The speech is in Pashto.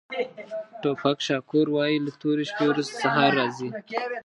ټوپاک شاکور وایي له تورې شپې وروسته سهار راځي.